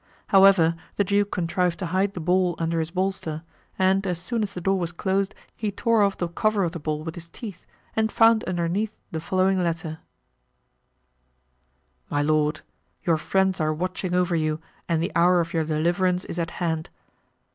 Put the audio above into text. However, the duke contrived to hide the ball under his bolster and as soon as the door was closed he tore off the cover of the ball with his teeth and found underneath the following letter: My Lord,—Your friends are watching over you and the hour of your deliverance is at hand.